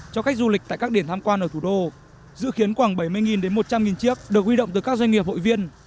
cho khách du lịch tại các điểm tham quan ở thủ đô dự kiến khoảng bảy mươi đến một trăm linh chiếc được huy động từ các doanh nghiệp hội viên